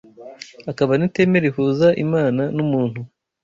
akaba n’iteme rihuza Imana n’umuntu